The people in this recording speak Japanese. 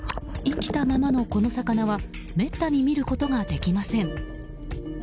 生きたままのこの魚はめったに見ることができません。